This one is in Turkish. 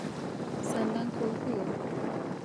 Senden korkuyor.